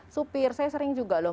supir saya sering juga loh